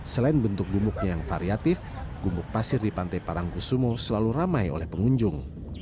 selain bentuk gumuknya yang variatif gumuk pasir di pantai parangkusumo selalu ramai oleh pengunjung